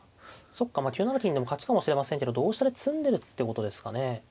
そっか９七金でも勝ちかもしれませんけど同飛車で詰んでるってことですかね。